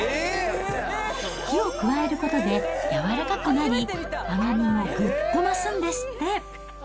火を加えることで柔らかくなり、甘みもぐっと増すんですって。